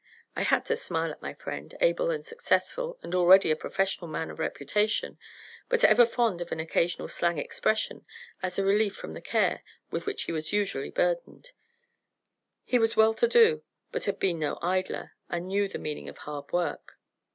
I had to smile at my friend, able and successful, and already a professional man of reputation, but ever fond of an occasional slang expression as a relief from the care with which he was usually burdened. He was well to do, but had been no idler, and knew the meaning of hard work.